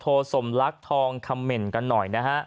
โทรสมลักษณ์ทองคำเม่นกันหน่อย